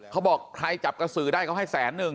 เขาบอกใครจับกระสือได้เขาให้แสนนึง